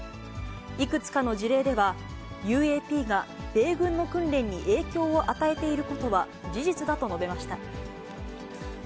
いくつかの事例では、ＵＡＰが米軍の訓練に影響を与えていることは事実だと述べました。